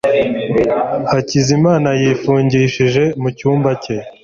Hakizamana yifungishije mu cyumba cye